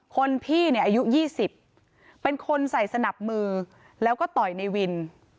คนพี่เนี่ยอายุ๒๐เป็นคนใส่สนับมือแล้วก็ต่อยในวิน